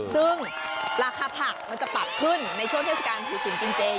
ซึ่งราคาผักมันจะปรับขึ้นในช่วงเทศกาลถือศีลกินเจ